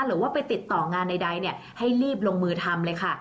หรือว่าไปติดต่องานใดให้รีบลงมือทำเลยค่ะ